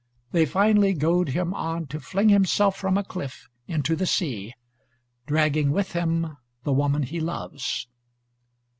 They finally goad him on to fling himself from a cliff into the sea, dragging with him the woman he loves.